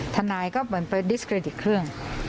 ทนายก็เหมือนไปดิสเครดิตเครื่อง